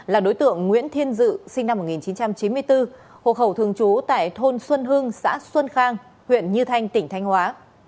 là đối tượng nguyễn thiên dự sinh năm một nghìn chín trăm chín mươi bốn hộ khẩu thường trú tại thôn xuân hưng xã xuân khang huyện như thanh tỉnh thanh hóa